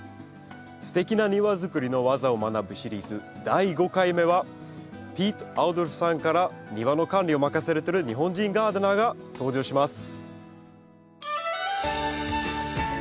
すてきな庭づくりの技を学ぶシリーズ第５回目はピート・アウドルフさんから庭の管理を任されてる日本人ガーデナーが登場します。